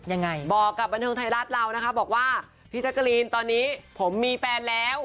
บอกที่บนที่บันทึกถ่ายรักเราว่าพี่ชะกรีนผมมีแฟนแล้ว